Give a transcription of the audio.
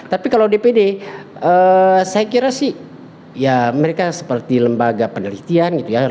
tapi kalau dpd saya kira sih ya mereka seperti lembaga penelitian gitu ya